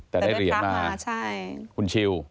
แต่ได้เหรียญมาได้คลักมากค่ะคุณชิล